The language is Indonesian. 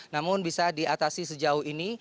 namun bisa diatasi sejauh ini